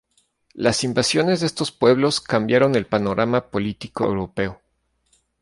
Las invasiones de estos pueblos cambiaron el panorama político europeo.